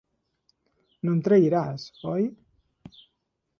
No em trairàs, oi?